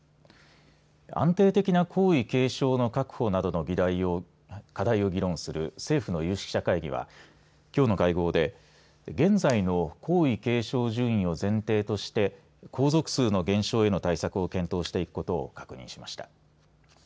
安定的な皇位継承の確保などの課題を議論する政府の有識者会議はきょうの会合で現在の皇位継承順位を前提として皇族数の減少への対策を検討していくことを確認しました。